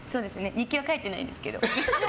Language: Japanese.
日記は書いてないですけど。